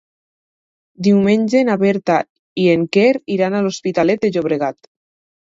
Diumenge na Berta i en Quer iran a l'Hospitalet de Llobregat.